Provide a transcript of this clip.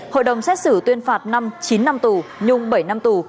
hội đồng xét xử tuyên phạt năm chín năm tù nhung bảy năm tù